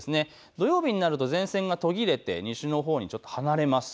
土曜日になると前線が途切れて西のほうにちょっと離れます。